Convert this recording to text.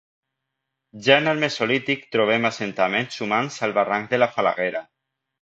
Ja en el mesolític trobem assentaments humans al barranc de la Falaguera.